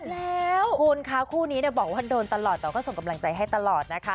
แล้วคุณคะคู่นี้บอกว่าโดนตลอดแต่ก็ส่งกำลังใจให้ตลอดนะคะ